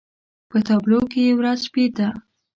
په تابلو کې يې ورځ شپې ته